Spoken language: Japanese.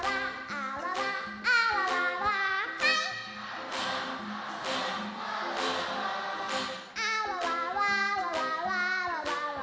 「あわわわわわわわわわ」